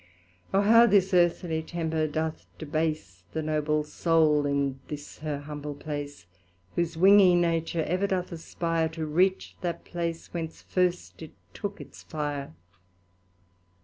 O how this earthly temper doth debase The noble Soul in this her humble place. Whose wingy nature ever doth aspire To reach that place whence first it took its fire.